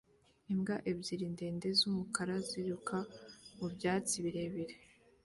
Imbwa ebyiri ndende z'umukara ziruka mu byatsi birebire